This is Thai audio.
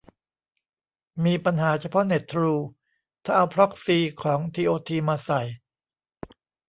มีปัญหาเฉพาะเน็ต ทรู ถ้าเอาพร็อกซีของทีโอทีมาใส่